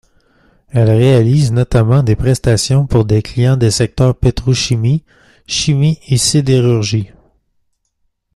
Elle réalise notamment des prestations pour des clients des secteurs pétrochimie, chimie et sidérurgie.